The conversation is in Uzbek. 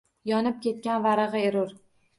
Yonib ketgan varagʻi erur.